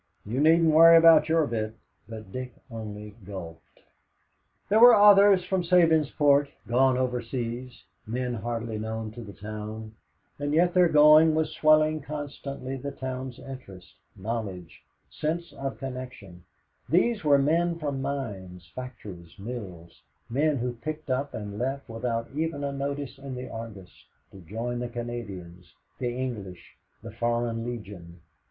"You needn't worry about your bit." But Dick only gulped. There were others from Sabinsport gone overseas men hardly known to the town, and yet their going was swelling constantly the town's interest, knowledge, sense of connection these were men from mines, factories, mills, men who picked up and left without even a notice in the Argus to join the Canadians the English, the Foreign Legion.